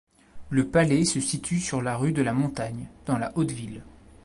Le palais se situe sur la rue de la Montagne dans la Haute-Ville.